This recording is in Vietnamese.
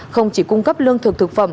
không chỉ cung cấp lương thực thực phẩm